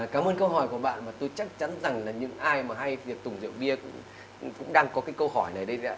cảm ơn câu hỏi của bạn và tôi chắc chắn rằng là những ai hay việc tủng rượu bia cũng đang có câu hỏi này đây ạ